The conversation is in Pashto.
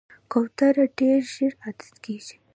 کوتره ډېر ژر عادت کېږي.